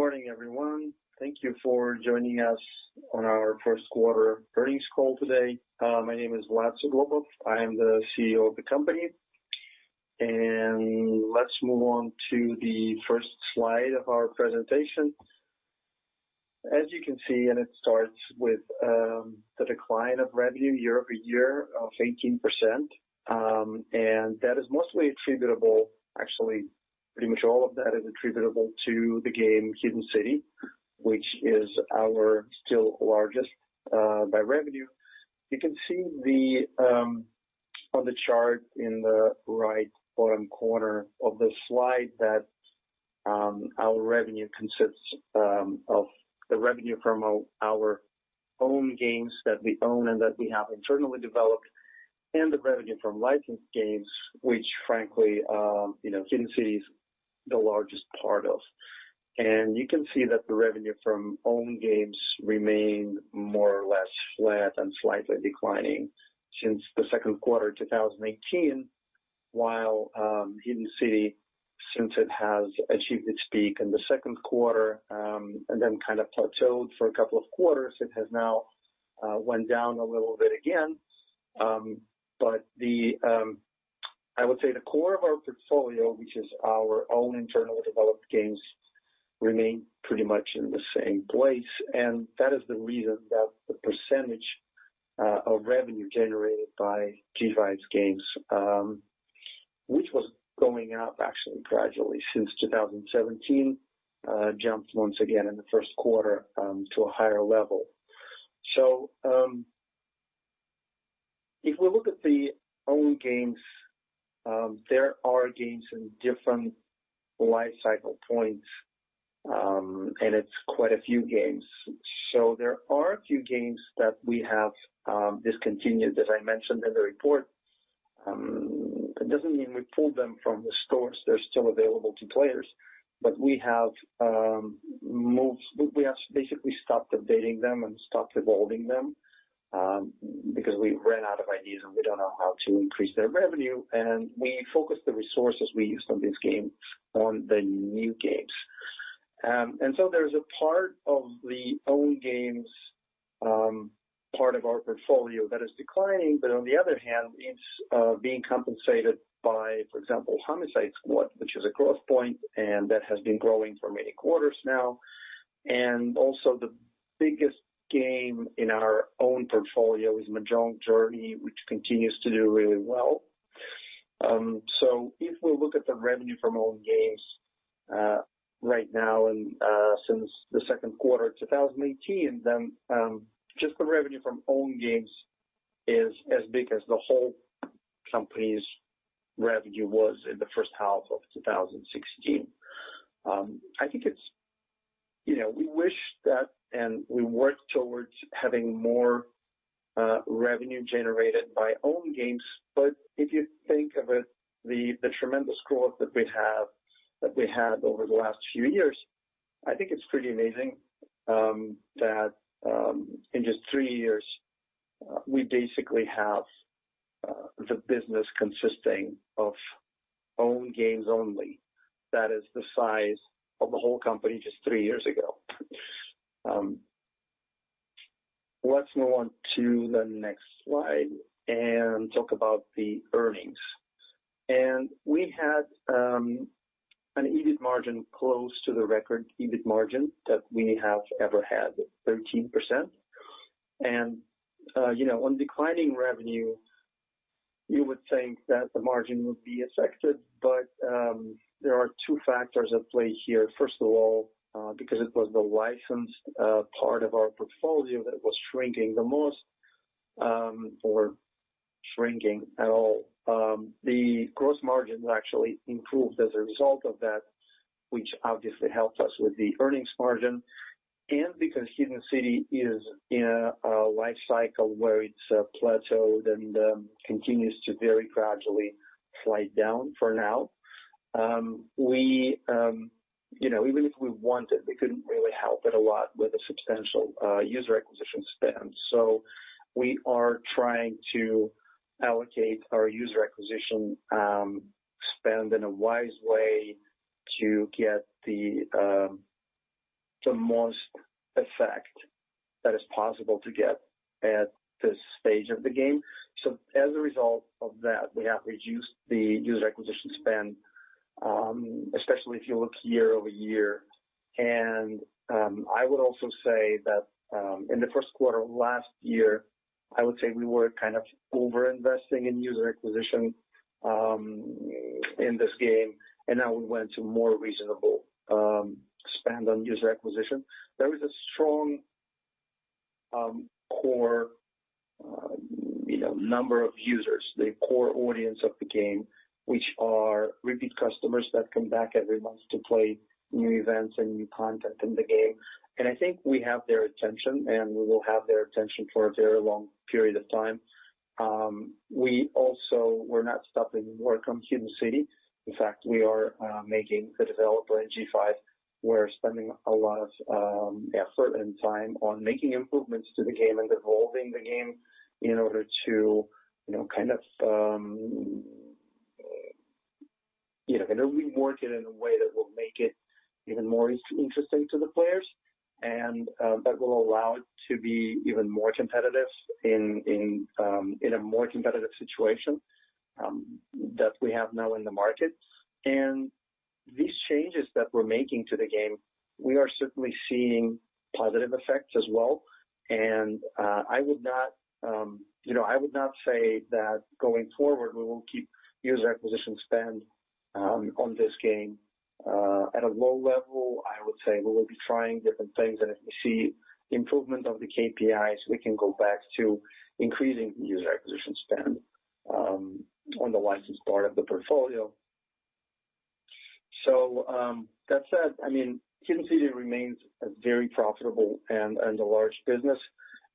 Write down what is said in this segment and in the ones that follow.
Morning, everyone. Thank you for joining us on our first quarter earnings call today. My name is Vlad Suglobov, I am the CEO of the company. Let's move on to the first slide of our presentation. As you can see, and it starts with the decline of revenue year-over-year of 18%. That is mostly attributable, actually, pretty much all of that is attributable to the game Hidden City, which is our still largest by revenue. You can see on the chart in the right bottom corner of the slide that our revenue consists of the revenue from our own games that we own and that we have internally developed, and the revenue from licensed games, which frankly, Hidden City is the largest part of. You can see that the revenue from own games remain more or less flat and slightly declining since the second quarter 2018, while Hidden City, since it has achieved its peak in the second quarter, and then kind of plateaued for a couple of quarters, it has now went down a little bit again. I would say the core of our portfolio, which is our own internally developed games, remain pretty much in the same place. That is the reason that the percentage of revenue generated by G5's games, which was going up actually gradually since 2017, jumps once again in the first quarter to a higher level. If we look at the own games, there are games in different life cycle points, and it's quite a few games. There are a few games that we have discontinued, as I mentioned in the report. It doesn't mean we pulled them from the stores. They're still available to players. We have basically stopped updating them and stopped evolving them, because we ran out of ideas, and we don't know how to increase their revenue, and we focus the resources we use on these games on the new games. There's a part of the own games part of our portfolio that is declining, but on the other hand, it's being compensated by, for example, Homicide Squad, which is a growth point, and that has been growing for many quarters now. Also the biggest game in our own portfolio is Mahjong Journey, which continues to do really well. If we look at the revenue from own games right now and since the second quarter 2018, then just the revenue from own games is as big as the whole company's revenue was in the first half of 2016. We wish that, and we work towards having more revenue generated by own games. If you think of it, the tremendous growth that we've had over the last few years, I think it's pretty amazing that in just three years, we basically have the business consisting of own games only. That is the size of the whole company just three years ago. Let's move on to the next slide and talk about the earnings. We had an EBIT margin close to the record EBIT margin that we have ever had, 13%. On declining revenue, you would think that the margin would be affected, but there are two factors at play here. First of all, because it was the licensed part of our portfolio that was shrinking the most, or shrinking at all. The gross margin actually improved as a result of that, which obviously helped us with the earnings margin. Because Hidden City is in a life cycle where it's plateaued and continues to very gradually slide down for now. Even if we wanted, we couldn't really help it a lot with a substantial user acquisition spend. We are trying to allocate our user acquisition spend in a wise way to get the most effect that is possible to get at this stage of the game. As a result of that, we have reduced the user acquisition spend, especially if you look year-over-year. I would also say that in the first quarter of last year, I would say we were kind of over-investing in user acquisition in this game, and now we went to more reasonable spend on user acquisition. There is a strong core number of users, the core audience of the game, which are repeat customers that come back every month to play new events and new content in the game. I think we have their attention, and we will have their attention for a very long period of time. We also, we're not stopping work on Hidden City. In fact, we are making the developer in G5, we're spending a lot of effort and time on making improvements to the game and evolving the game in order to work it in a way that will make it even more interesting to the players, and that will allow it to be even more competitive in a more competitive situation that we have now in the market. These changes that we're making to the game, we are certainly seeing positive effects as well. I would not say that going forward, we will keep user acquisition spend on this game at a low level. I would say we will be trying different things, and if we see improvement of the KPIs, we can go back to increasing user acquisition spend on the licensed part of the portfolio. That said, Hidden City remains a very profitable and a large business,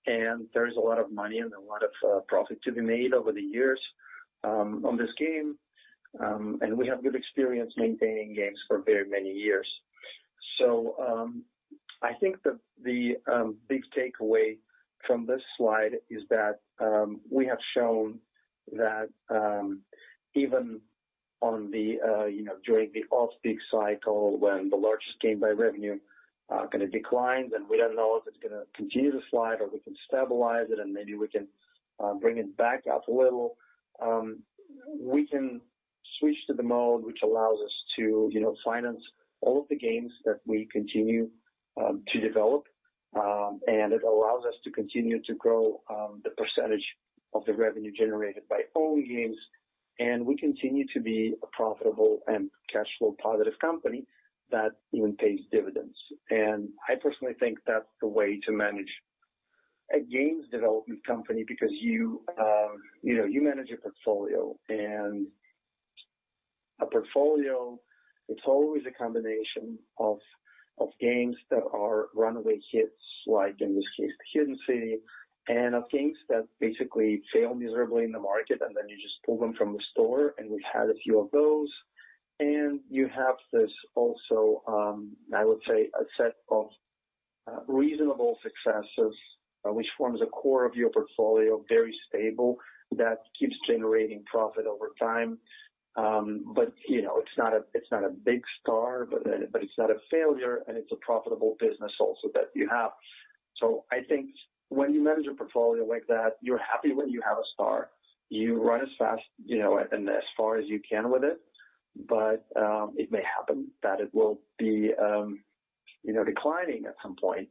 and there is a lot of money and a lot of profit to be made over the years on this game. We have good experience maintaining games for very many years. I think that the big takeaway from this slide is that we have shown that even during the off-peak cycle, when the largest game by revenue kind of declines, and we don't know if it's going to continue to slide or we can stabilize it and maybe we can bring it back up a little. We can switch to the mode which allows us to finance all of the games that we continue to develop. It allows us to continue to grow the percentage of the revenue generated by own games. We continue to be a profitable and cash flow positive company that even pays dividends. I personally think that's the way to manage a games development company because you manage a portfolio. A portfolio, it's always a combination of games that are runaway hits, like in this case, Hidden City, and of games that basically fail miserably in the market, then you just pull them from the store, and we've had a few of those. You have this also, I would say, a set of reasonable successes, which forms a core of your portfolio, very stable, that keeps generating profit over time. It's not a big star, but it's not a failure, and it's a profitable business also that you have. I think when you manage a portfolio like that, you're happy when you have a star. You run as fast and as far as you can with it. It may happen that it will be declining at some point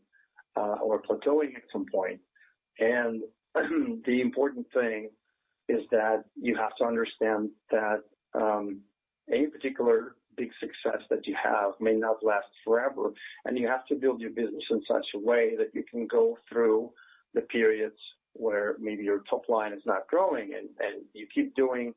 or plateauing at some point. The important thing is that you have to understand that any particular big success that you have may not last forever, and you have to build your business in such a way that you can go through the periods where maybe your top line is not growing, and you keep doing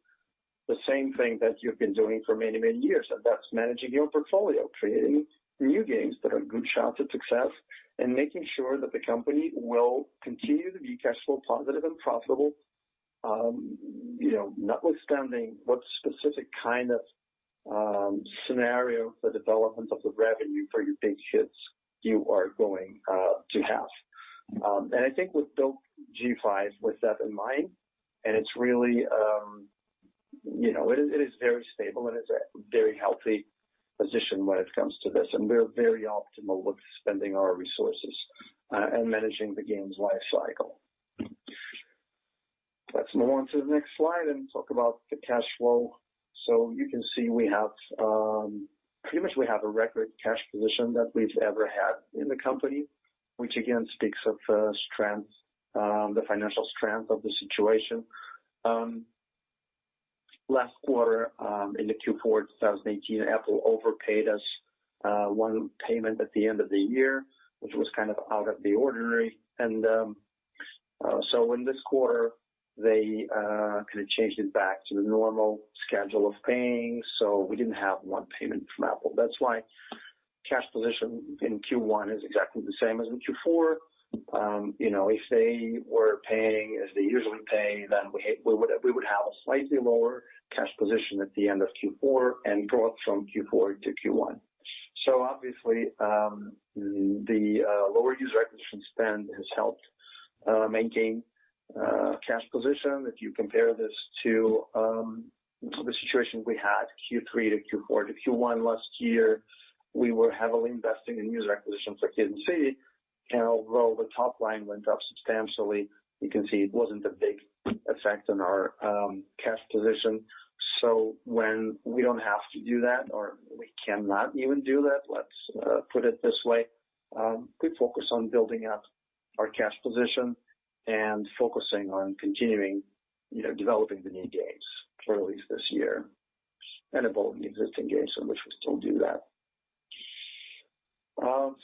the same thing that you've been doing for many, many years, and that's managing your portfolio. Creating new games that are good shots at success and making sure that the company will continue to be cash flow positive and profitable, notwithstanding what specific kind of scenario the development of the revenue for your big hits you are going to have. I think we built G5 with that in mind, and it is very stable, and it's at a very healthy position when it comes to this, and we're very optimal with spending our resources and managing the game's life cycle. Let's move on to the next slide and talk about the cash flow. You can see pretty much we have a record cash position that we've ever had in the company, which again, speaks of the financial strength of the situation. Last quarter, in the Q4 2018, Apple overpaid us one payment at the end of the year, which was kind of out of the ordinary. In this quarter, they kind of changed it back to the normal schedule of paying, so we didn't have one payment from Apple. That's why cash position in Q1 is exactly the same as in Q4. If they were paying as they usually pay, we would have a slightly lower cash position at the end of Q4 and growth from Q4 to Q1. Obviously, the lower user acquisition spend has helped maintain cash position. If you compare this to the situation we had Q3 to Q4, to Q1 last year, we were heavily investing in user acquisition for Hidden City, and although the top line went up substantially, you can see it wasn't a big effect on our cash position. When we don't have to do that or we cannot even do that, let's put it this way, we focus on building up our cash position and focusing on continuing developing the new games for release this year and evolving the existing games in which we still do that.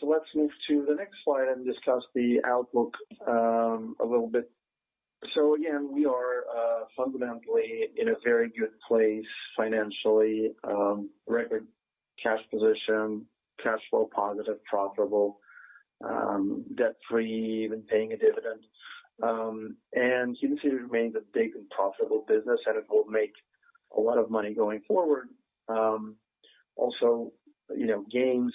Let's move to the next slide and discuss the outlook a little bit. Again, we are fundamentally in a very good place financially. Record cash position, cash flow positive, profitable, debt-free, even paying a dividend. Hidden City remains a big and profitable business, and it will make a lot of money going forward. Also, games.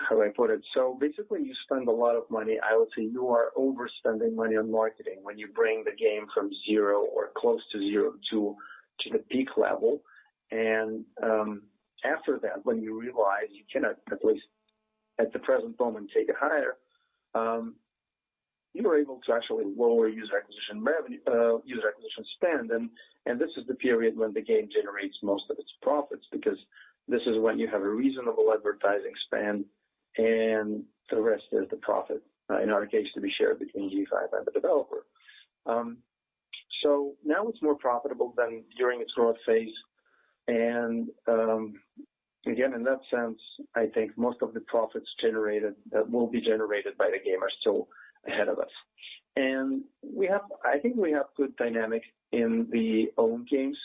How do I put it? You spend a lot of money. I would say you are overspending money on marketing when you bring the game from zero or close to zero to the peak level. After that, when you realize you cannot, at least at the present moment, take it higher, you are able to actually lower user acquisition spend. This is the period when the game generates most of its profits because this is when you have a reasonable advertising spend and the rest is the profit, in our case, to be shared between G5 and the developer. Now it's more profitable than during its growth phase. Again, in that sense, I think most of the profits that will be generated by the game are still ahead of us. I think we have good dynamics in the own games.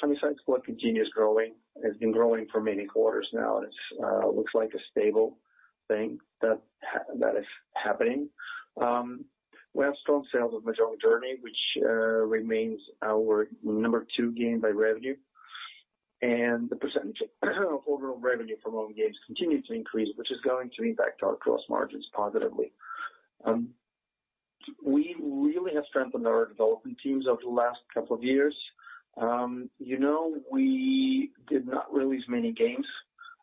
Sunny Side Up continues growing, has been growing for many quarters now, and it looks like a stable thing that is happening. We have strong sales of Mahjong Journey, which remains our number two game by revenue. The percentage of overall revenue from own games continues to increase, which is going to impact our gross margins positively. We really have strengthened our development teams over the last couple of years. We did not release many games,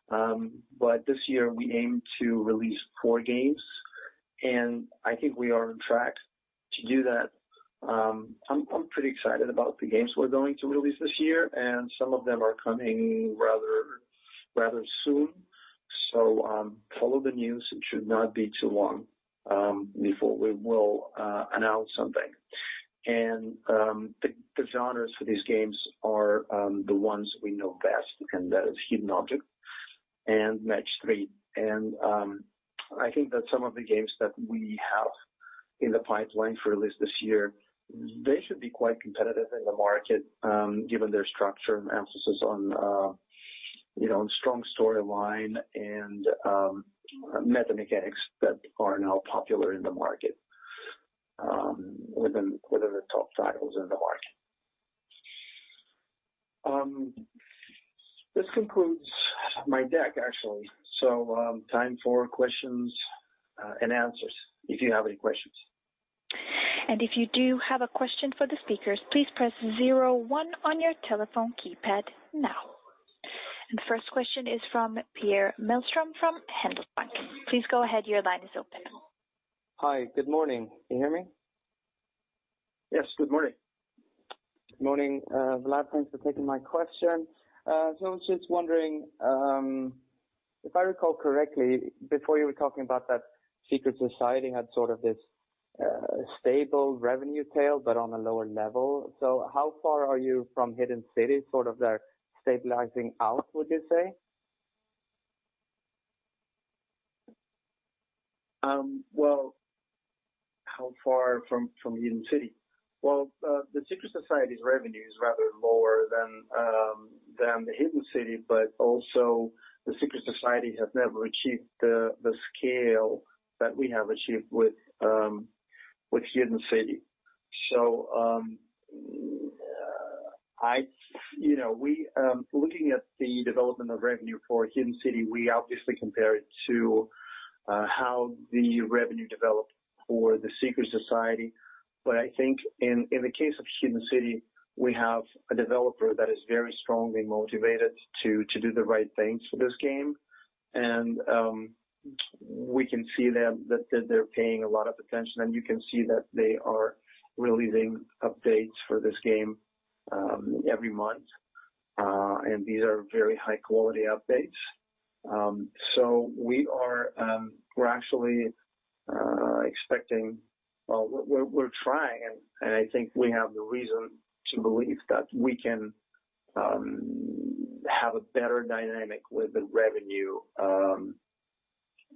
but this year we aim to release four games, and I think we are on track to do that. I'm pretty excited about the games we're going to release this year, and some of them are coming rather soon. Follow the news. It should not be too long before we will announce something. The genres for these games are the ones we know best, and that is hidden object and match three. I think that some of the games that we have in the pipeline for release this year, they should be quite competitive in the market given their structure and emphasis on strong storyline and meta mechanics that are now popular in the market within the top titles in the market. This concludes my deck, actually. Time for questions and answers, if you have any questions. If you do have a question for the speakers, please press zero one on your telephone keypad now. The first question is from Pierre Mellström from Handelsbanken. Please go ahead. Your line is open. Hi. Good morning. Can you hear me? Yes. Good morning. Good morning, Vlad. Thanks for taking my question. I was just wondering, if I recall correctly, before you were talking about that The Secret Society had sort of this stable revenue tail, but on a lower level. How far are you from Hidden City, sort of their stabilizing out, would you say? Well, how far from Hidden City? Well, The Secret Society's revenue is rather lower than Hidden City, but also The Secret Society has never achieved the scale that we have achieved with Hidden City. Looking at the development of revenue for Hidden City, we obviously compare it to how the revenue developed for The Secret Society. I think in the case of Hidden City, we have a developer that is very strongly motivated to do the right things for this game. We can see that they're paying a lot of attention, and you can see that they are releasing updates for this game every month, and these are very high-quality updates. We're actually trying, and I think we have the reason to believe that we can have a better dynamic with the revenue,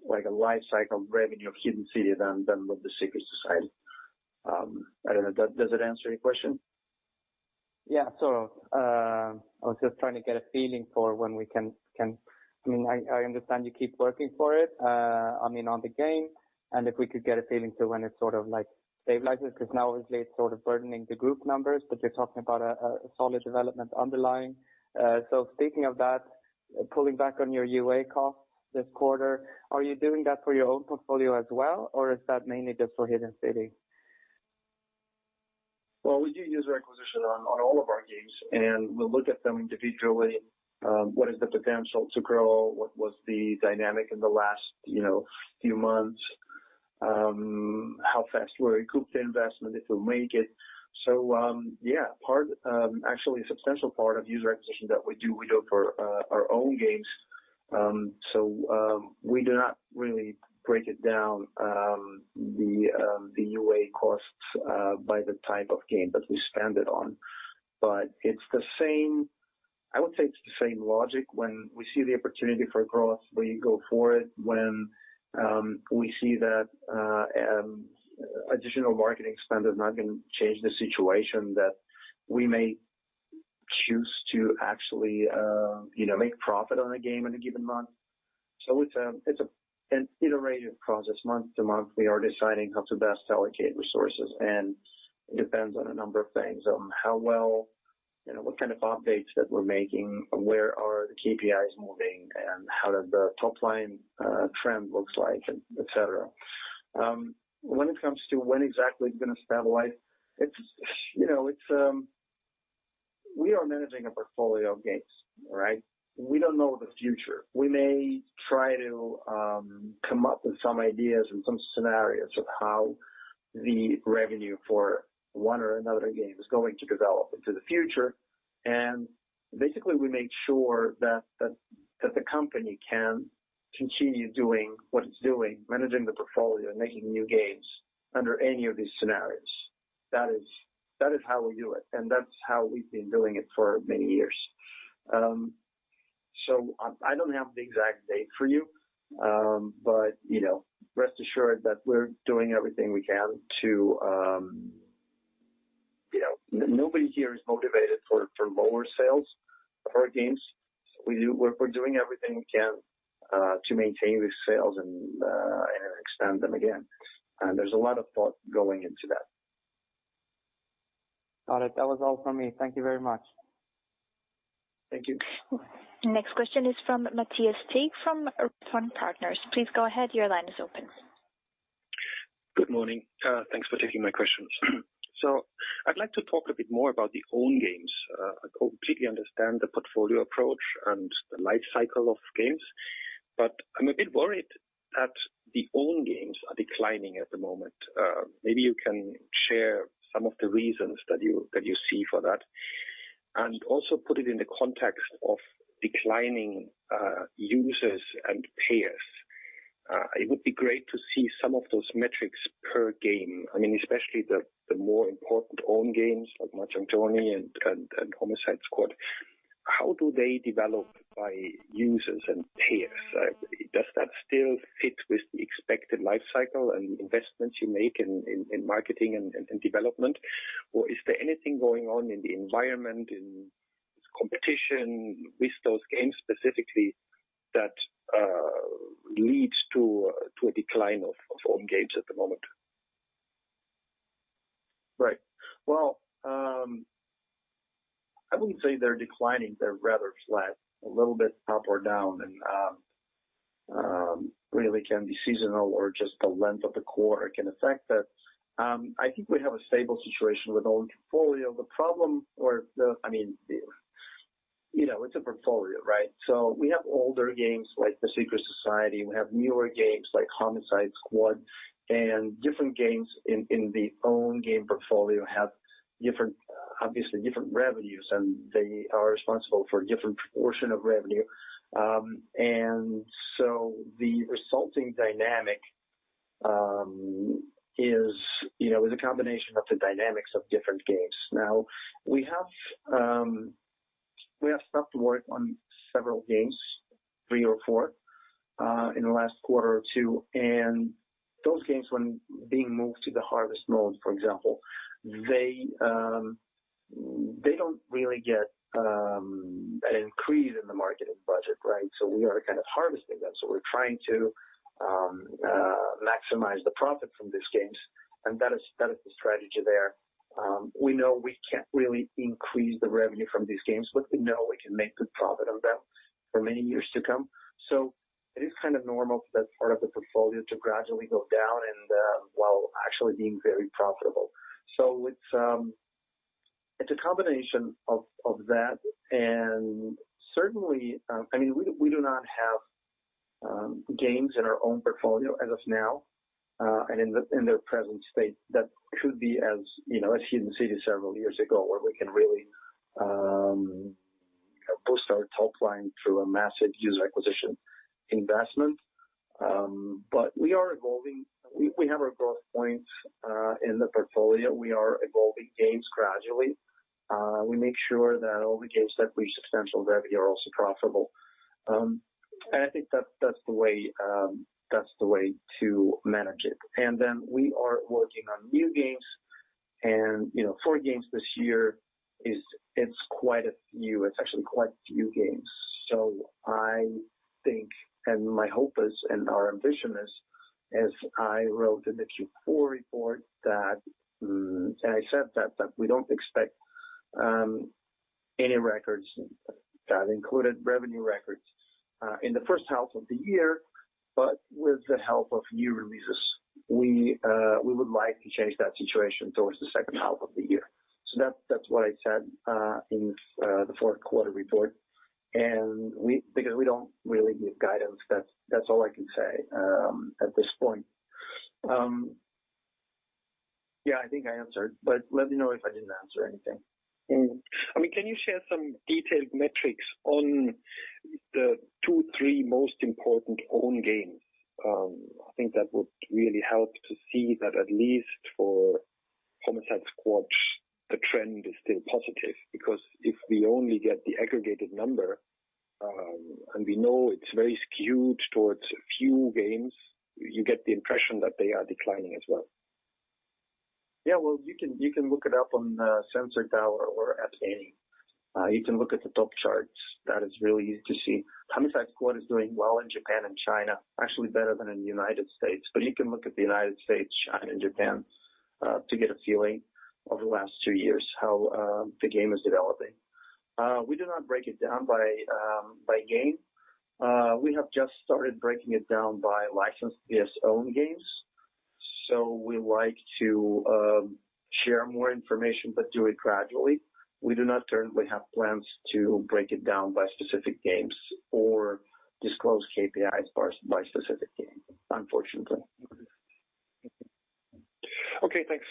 like a life cycle revenue of Hidden City than with The Secret Society. I don't know. Does it answer your question? Yeah, sort of. I was just trying to get a feeling for when I understand you keep working for it on the game, and if we could get a feeling to when it's sort of stabilized because now obviously it's sort of burdening the group numbers, but you're talking about a solid development underlying. Speaking of that, pulling back on your UA costs this quarter, are you doing that for your own portfolio as well, or is that mainly just for Hidden City? Well, we do user acquisition on all of our games, and we look at them individually. What is the potential to grow? What was the dynamic in the last few months? How fast will it recoup the investment if we make it? Yeah, actually a substantial part of user acquisition that we do, we do for our own games. We do not really break it down the UA costs by the type of game that we spend it on. I would say it's the same logic when we see the opportunity for growth, we go for it. When we see that additional marketing spend is not going to change the situation, that we may choose to actually make profit on a game in a given month. It's an iterative process month to month. We are deciding how to best allocate resources, and it depends on a number of things. What kind of updates that we're making, where are the KPIs moving, and how does the top-line trend looks like, et cetera. When it comes to when exactly it's going to stabilize, we are managing a portfolio of games. We don't know the future. We may try to come up with some ideas and some scenarios of how the revenue for one or another game is going to develop into the future. Basically, we make sure that the company can continue doing what it's doing, managing the portfolio, and making new games under any of these scenarios. That is how we do it, and that's how we've been doing it for many years. I don't have the exact date for you, but rest assured that we're doing everything we can. Nobody here is motivated for lower sales of our games. We're doing everything we can to maintain these sales and expand them again, there's a lot of thought going into that. Got it. That was all from me. Thank you very much. Thank you. Next question is from [Mattias Täge] from Partners. Please go ahead. Your line is open. Good morning. Thanks for taking my questions. I'd like to talk a bit more about the own games. I completely understand the portfolio approach and the life cycle of games, I'm a bit worried that the own games are declining at the moment. Maybe you can share some of the reasons that you see for that, also put it in the context of declining users and payers. It would be great to see some of those metrics per game, especially the more important own games like Mahjong Journey and Homicide Squad. How do they develop by users and payers? Does that still fit with the expected life cycle and investments you make in marketing and development? Is there anything going on in the environment, in competition with those games specifically that leads to a decline of own games at the moment? Right. Well, I wouldn't say they're declining. They're rather flat, a little bit up or down, and really can be seasonal or just the length of the quarter can affect that. I think we have a stable situation with our own portfolio. It's a portfolio. We have older games like The Secret Society. We have newer games like Homicide Squad. Different games in the own game portfolio have obviously different revenues, and they are responsible for a different proportion of revenue. The resulting dynamic is a combination of the dynamics of different games. Now, we have stopped work on several games, three or four, in the last quarter or two. Those games, when being moved to the harvest mode, for example, they don't really get an increase in the marketing budget. We are kind of harvesting them. We're trying to maximize the profit from these games, and that is the strategy there. We know we can't really increase the revenue from these games, but we know we can make good profit on them for many years to come. It is kind of normal for that part of the portfolio to gradually go down while actually being very profitable. It's a combination of that, and certainly, we do not have games in our own portfolio as of now and in their present state that could be as Hidden City several years ago, where we can really boost our top line through a massive user acquisition investment. We are evolving. We have our growth points in the portfolio. We are evolving games gradually. We make sure that all the games that reach substantial revenue are also profitable. I think that's the way to manage it. We are working on new games, and four games this year, it's actually quite a few games. I think, and my hope is, and our ambition is, as I wrote in the Q4 report, that, and I said that we don't expect any records, that included revenue records, in the first half of the year, but with the help of new releases, we would like to change that situation towards the second half of the year. That's what I said in the fourth quarter report. Because we don't really give guidance, that's all I can say at this point. Yeah, I think I answered, but let me know if I didn't answer anything. Can you share some detailed metrics on the two, three most important own games? I think that would really help to see that at least for Homicide Squad, the trend is still positive, because if we only get the aggregated number, and we know it's very skewed towards a few games, you get the impression that they are declining as well. Well, you can look it up on Sensor Tower or App Annie. You can look at the top charts. That is really easy to see. Homicide Squad is doing well in Japan and China, actually better than in the United States. But you can look at the United States, China, and Japan to get a feeling of the last two years, how the game is developing. We do not break it down by game. We have just started breaking it down by licensed PS Own games. We like to share more information, but do it gradually. We do not currently have plans to break it down by specific games or disclose KPIs by specific games, unfortunately. Okay, thanks.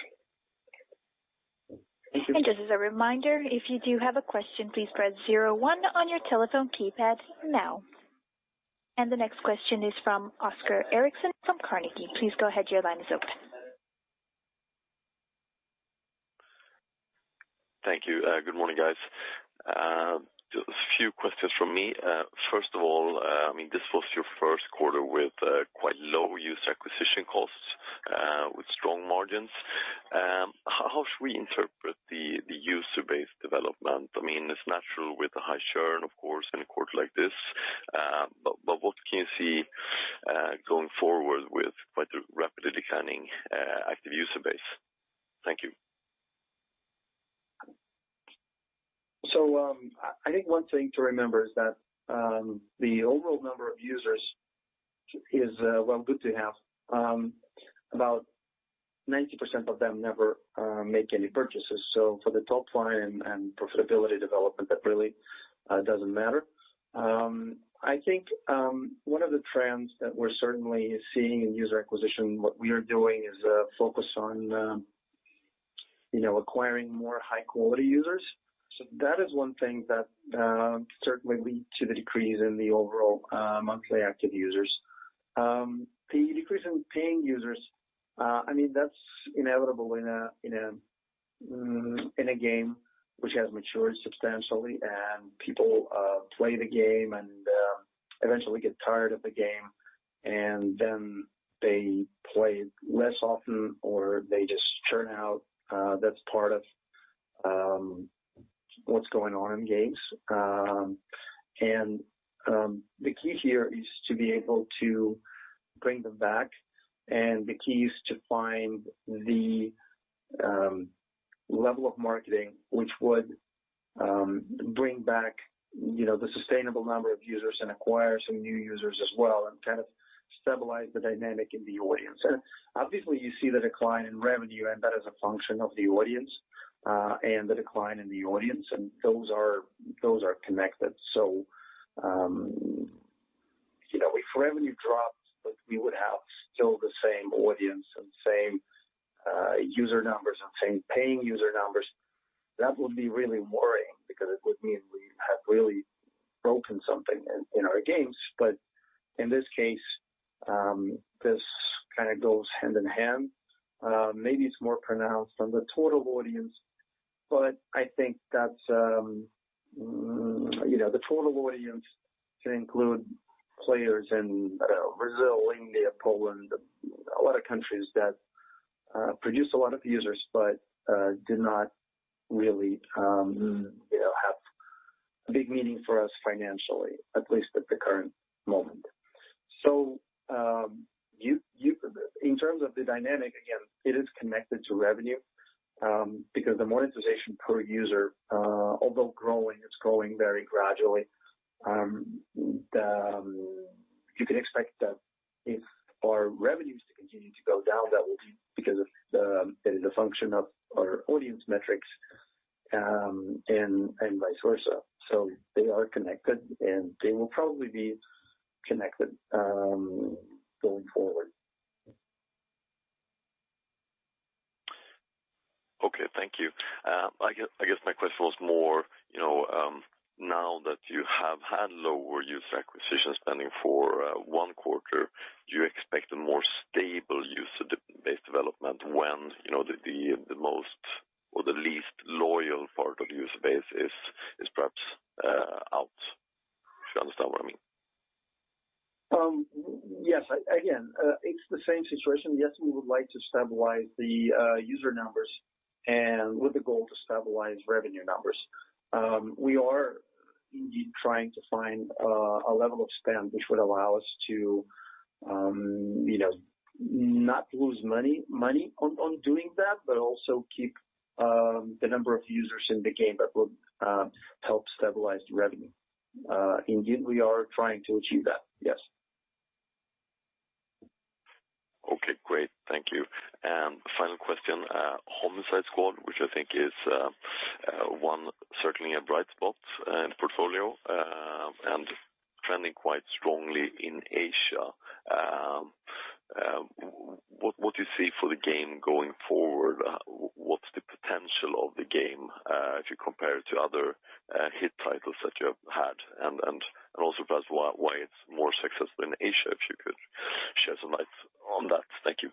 Just as a reminder, if you do have a question, please press zero one on your telephone keypad now. The next question is from Oskar Eriksson from Carnegie. Please go ahead. Your line is open. Thank you. Good morning, guys. Just a few questions from me. First of all, this was your first quarter with quite low user acquisition costs with strong margins. How should we interpret the user base development? I mean, it's natural with a high churn, of course, in a quarter like this. What can you see going forward with quite a rapidly declining active user base? Thank you. I think one thing to remember is that the overall number of users is while good to have, about 90% of them never make any purchases. For the top line and profitability development, that really doesn't matter. I think one of the trends that we're certainly seeing in user acquisition, what we are doing is a focus on acquiring more high-quality users. That is one thing that certainly lead to the decrease in the overall monthly active users. The decrease in paying users, that's inevitable in a game which has matured substantially, and people play the game and eventually get tired of the game, and then they play less often or they just churn out. That's part of what's going on in games. The key here is to be able to bring them back, and the key is to find the level of marketing which would bring back the sustainable number of users and acquire some new users as well and kind of stabilize the dynamic in the audience. Obviously, you see the decline in revenue, and that is a function of the audience, and the decline in the audience, and those are connected. If revenue dropped, but we would have still the same audience and same user numbers and same paying user numbers, that would be really worrying because it would mean we have really broken something in our games. In this case, this kind of goes hand in hand. Maybe it's more pronounced on the total audience, but I think that the total audience can include players in Brazil, India, Poland, a lot of countries that produce a lot of users but do not really have a big meaning for us financially, at least at the current moment. In terms of the dynamic, again, it is connected to revenue because the monetization per user although growing, it's growing very gradually. You can expect that if our revenues continue to go down, that will be because of the function of our audience metrics and vice versa. They are connected, and they will probably be connected going forward. Okay. Thank you. I guess my question was more now that you have had lower user acquisition spending for one quarter, do you expect a more stable user base development when the most or the least loyal part of the user base is perhaps out? If you understand what I mean. Yes. Again, it's the same situation. Yes, we would like to stabilize the user numbers and with the goal to stabilize revenue numbers. We are indeed trying to find a level of spend which would allow us to not lose money on doing that, but also keep the number of users in the game that will help stabilize the revenue. Indeed, we are trying to achieve that, yes. Okay, great. Thank you. Final question, Homicide Squad, which I think is one certainly a bright spot in the portfolio and trending quite strongly in Asia. What do you see for the game going forward? What's the potential of the game if you compare it to other hit titles that you have had? Also perhaps why it's more successful in Asia, if you could shed some light on that. Thank you.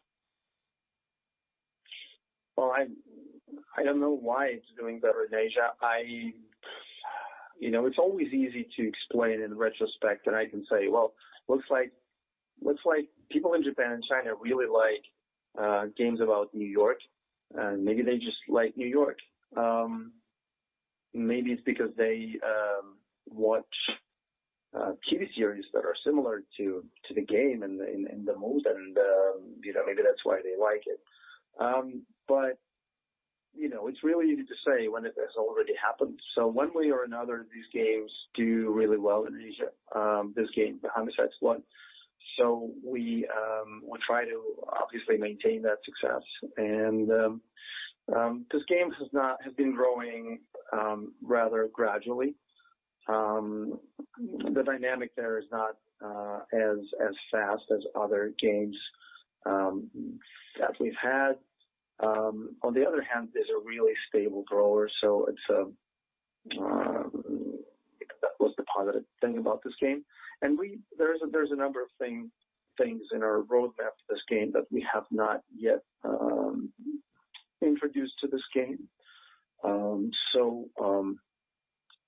Well, I don't know why it's doing better in Asia. It's always easy to explain in retrospect, I can say, "Well, Looks like people in Japan and China really like games about New York. Maybe they just like New York. Maybe it's because they watch TV series that are similar to the game and the mood, and maybe that's why they like it. It's really easy to say when it has already happened. One way or another, these games do really well in Asia, this game, the Homicide Squad. We try to obviously maintain that success. This game has been growing rather gradually. The dynamic there is not as fast as other games that we've had. On the other hand, it's a really stable grower, so that was the positive thing about this game. There's a number of things in our roadmap for this game that we have not yet introduced to this game.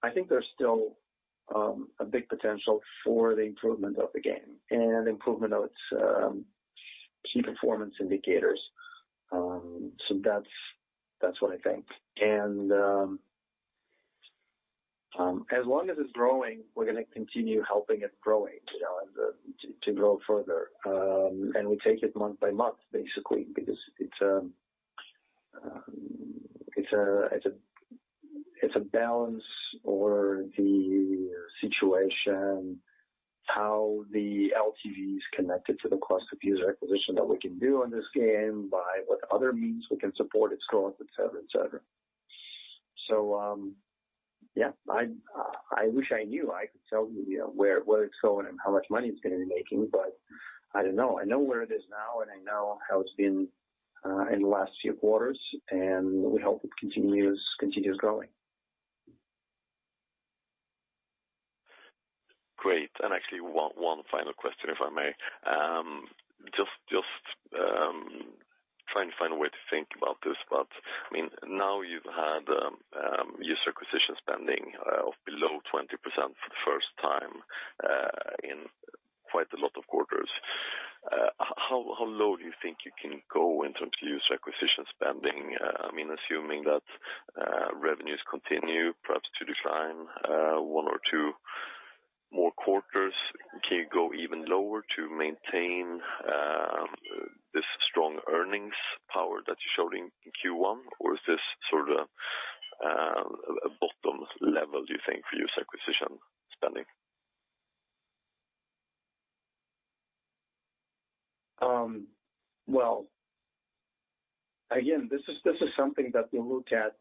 I think there's still a big potential for the improvement of the game and improvement of its key performance indicators. That's what I think. As long as it's growing, we're going to continue helping it growing, to grow further. We take it month by month, basically, because it's a balance or the situation, how the LTV is connected to the cost of user acquisition that we can do on this game by what other means we can support its growth, et cetera. Yeah, I wish I knew. I could tell you where it's going and how much money it's going to be making, but I don't know. I know where it is now, and I know how it's been in the last few quarters. We hope it continues growing. Great. Actually, one final question, if I may. Just trying to find a way to think about this, but now you've had user acquisition spending of below 20% for the first time in quite a lot of quarters. How low do you think you can go in terms of user acquisition spending? Assuming that revenues continue perhaps to decline one or two more quarters, can you go even lower to maintain this strong earnings power that you showed in Q1? Is this sort of a bottom level, do you think, for user acquisition spending? Well, again, this is something that we look at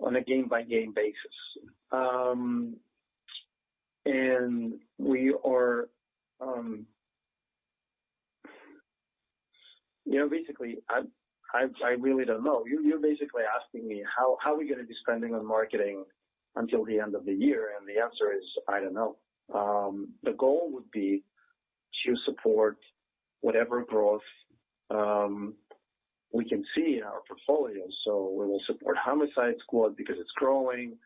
on a game-by-game basis. Basically, I really don't know. You're basically asking me how are we going to be spending on marketing until the end of the year, and the answer is, I don't know. The goal would be to support whatever growth we can see in our portfolio. We will support "Homicide Squad" because it's growing.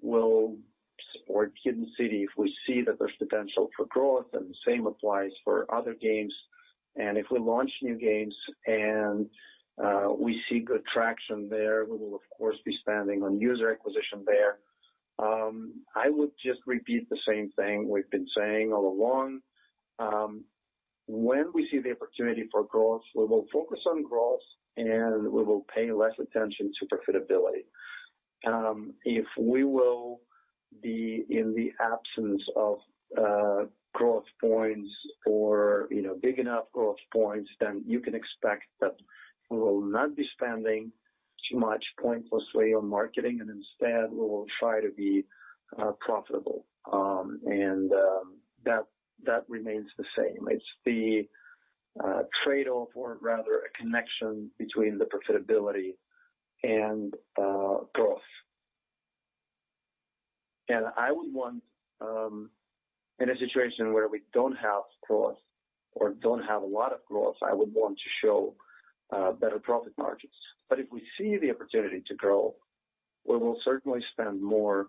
We'll support "Hidden City" if we see that there's potential for growth, and the same applies for other games. If we launch new games and we see good traction there, we will of course, be spending on user acquisition there. I would just repeat the same thing we've been saying all along. When we see the opportunity for growth, we will focus on growth. We will pay less attention to profitability. If we will be in the absence of growth points or big enough growth points, you can expect that we will not be spending too much pointlessly on marketing. Instead, we will try to be profitable. That remains the same. It's the trade-off or rather a connection between the profitability and growth. I would want, in a situation where we don't have growth or don't have a lot of growth, I would want to show better profit margins. If we see the opportunity to grow, we will certainly spend more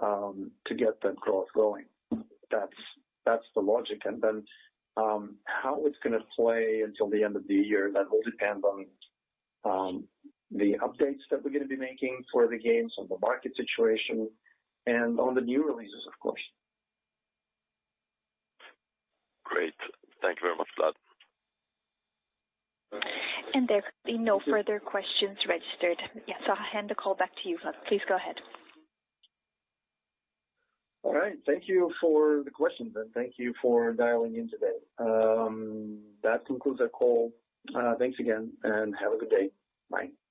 to get that growth going. That's the logic. Then how it's going to play until the end of the year, that will depend on the updates that we're going to be making for the games, on the market situation, and on the new releases, of course. Great. Thank you very much, Vlad. There are no further questions registered. Yeah, I'll hand the call back to you, Vlad. Please go ahead. All right. Thank you for the questions, and thank you for dialing in today. That concludes our call. Thanks again, and have a good day. Bye.